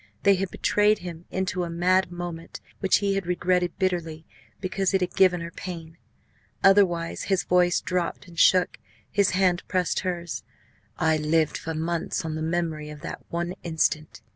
They had betrayed him into a mad moment, which he had regretted bitterly because it had given her pain. Otherwise his voice dropped and shook, his hand pressed hers "I lived for months on the memory of that one instant."